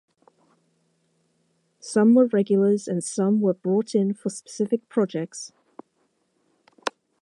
Some were regulars and some were brought in for specific projects.